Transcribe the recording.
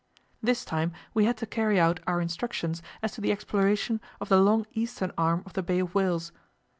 This time we had to carry out our instructions as to the exploration of the long eastern arm of the Bay of Whales.